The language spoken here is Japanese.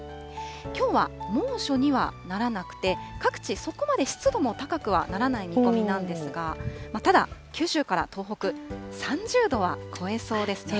きょうは猛暑にはならなくて、各地、そこまで湿度も高くはならない見込みなんですが、ただ九州から東北、３０度は超えそうですね。